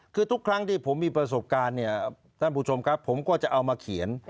คือทุกครั้งที่ผมมีประสบการณ์เนี่ยท่านผู้ชมครับผมก็จะเอามาเขียน